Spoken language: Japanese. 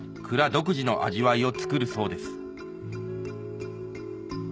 独自の味わいをつくるそうです